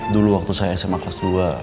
dulu waktu saya sma kelas dua